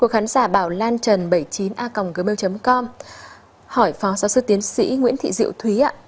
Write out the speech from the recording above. hỏi phó giáo sư tiến sĩ nguyễn thị diệu thúy